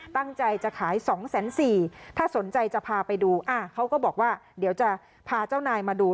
ตั้งใจจะขาย๒๔๐๐บาทถ้าสนใจจะพาไปดูเขาก็บอกว่าเดี๋ยวจะพาเจ้านายมาดู